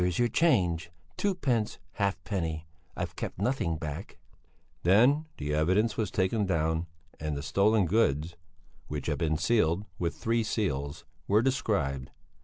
where? "Here's your change, twopence halfpenny; I've kept nothing back." Then the evidence was taken down and the stolen goods which had been sealed with three seals were described.